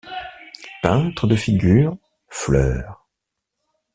Peintre de figures, fleurs.